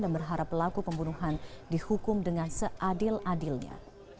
dan berharap pelaku pembunuhan dihukum dengan seadil adilnya